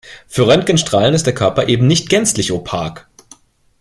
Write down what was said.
Für Röntgenstrahlen ist der Körper eben nicht gänzlich opak.